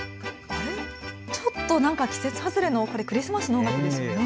あれっ、ちょっとなんか季節外れのこれクリスマスの音楽ですね。